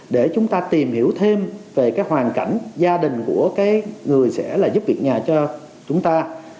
để chúng ta tìm hiểu thêm về hoàn cảnh gia đình của người sẽ giúp việc nhà cho chúng ta